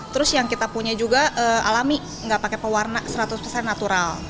terus yang kita punya juga alami nggak pakai pewarna seratus persen natural